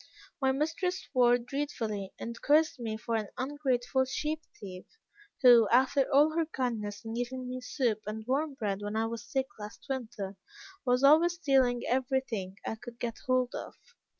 My mistress swore dreadfully, and cursed me for an ungrateful sheep thief, who, after all her kindness in giving me soup and warm bread when I was sick last winter, was always stealing every thing I could get hold of.